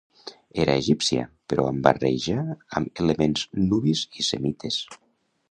Era egípcia però amb barreja amb elements nubis i semites.